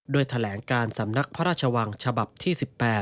แถลงการสำนักพระราชวังฉบับที่๑๘